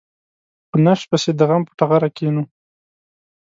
په نشت پسې د غم په ټغره کېنو.